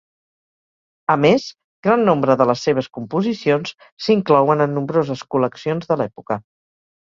A més, gran nombre de les seves composicions s'inclouen en nombroses col·leccions de l'època.